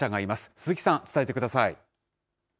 鈴木さん、伝えてください。